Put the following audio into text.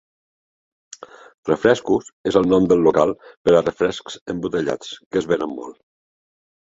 "Refrescos" és el nom del local per a refrescs embotellats, que es venen molt.